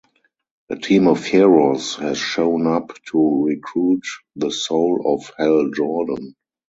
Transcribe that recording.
A team of heroes has shown up to recruit the soul of Hal Jordan.